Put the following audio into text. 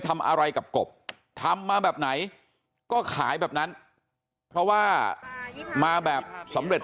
ทำอะไรกับกบทำมาแบบไหนก็ขายแบบนั้นเพราะว่ามาแบบสำเร็จ